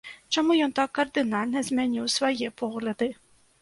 Чаму ён так кардынальна змяніў свае погляды?